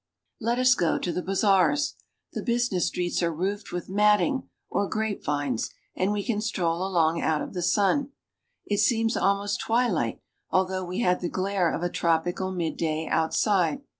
Let us go to the bazaars. The business streets are IN FEZ, THE CAPITAL Of MOROCCO 31 roofed with matting or grapevines, and we can stroll along ■ out of the sun. It seems almost twilight, although w ■ had the glare of a tropical midday outside.